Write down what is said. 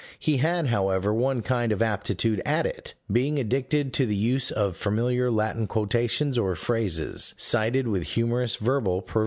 He had however one kind of aptitude at it being addicted to the use of familiar Latin quotations or phrases, cited with humorous verbal perversions.